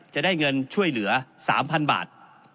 จะได้เงินช่วยเหลือ๓๐๐๐บาท